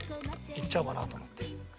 いっちゃおうかなと思って。